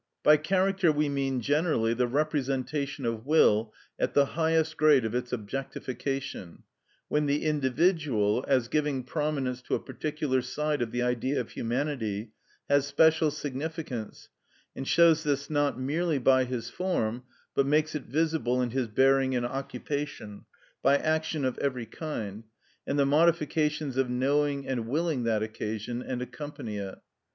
By character we mean generally, the representation of will at the highest grade of its objectification, when the individual, as giving prominence to a particular side of the Idea of humanity, has special significance, and shows this not merely by his form, but makes it visible in his bearing and occupation, by action of every kind, and the modifications of knowing and willing that occasion and accompany it.